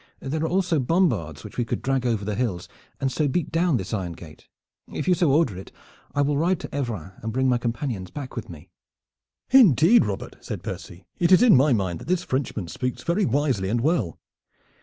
There are also bombards which we could drag over the hills, and so beat down this iron gate. If you so order it I will ride to Evran and bring my companions back with me." "Indeed, Robert," said Percy, "it is in my mind that this Frenchman speaks very wisely and well."